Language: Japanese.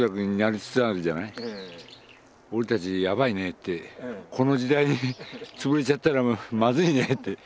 俺たちやばいねってこの時代に潰れちゃったらまずいねって。